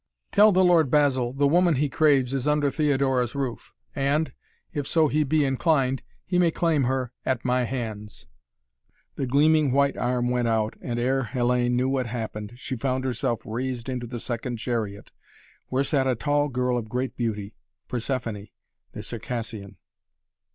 "Tell the Lord Basil, the woman he craves is under Theodora's roof, and if so he be inclined he may claim her at my hands " The gleaming white arm went out, and ere Hellayne knew what happened, she found herself raised into the second chariot, where sat a tall girl of great beauty, Persephoné, the Circassian.